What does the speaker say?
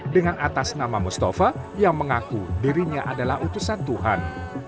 dengan atas nama mustafa yang mengaku dirinya adalah utusan tuhan